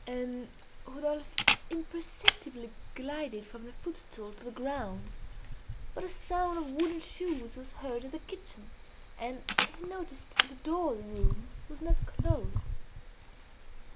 And Rodolphe imperceptibly glided from the footstool to the ground; but a sound of wooden shoes was heard in the kitchen, and he noticed the door of the room was not closed.